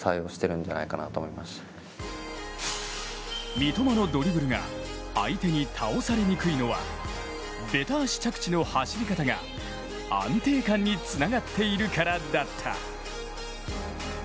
三笘のドリブルが相手に倒されにくいのはべた足着地の走り方が安定感につながっているからだった。